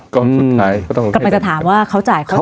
กลับมาจะถามว่าเขาจ่าย